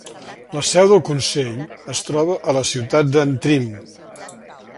La seu del consell es troba a la ciutat d'Antrim.